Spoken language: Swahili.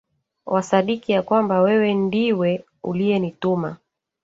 wakasadiki ya kwamba wewe ndiwe uliyenituma